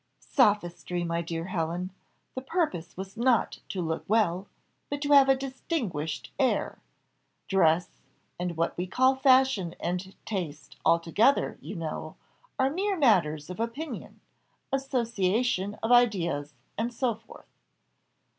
"Sophistry, my dear Helen. The purpose was not to look well, but to have a distinguished air. Dress, and what we call fashion and taste altogether, you know, are mere matters of opinion, association of ideas, and so forth.